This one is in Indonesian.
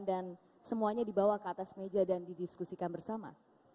dan semuanya dibawa ke atas meja dan didiskusikan bersama